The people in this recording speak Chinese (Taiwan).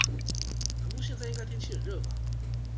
南部現在應該天氣很熱吧？